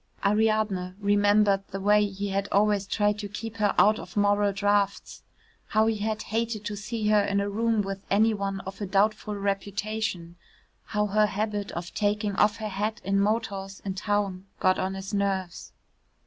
Ariadne remembered the way he had always tried to keep her out of moral draughts, how he had hated to see her in a room with any one of a doubtful reputation, how her habit of taking off her hat in motors in towns got on his nerves.